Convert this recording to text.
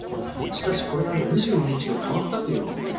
しかしこれが２２日に変わったというんです。